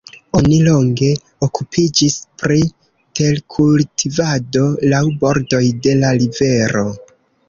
Oni longe okupiĝis pri terkultivado laŭ bordoj de la rivero.